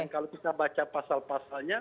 kalau kita baca pasal pasalnya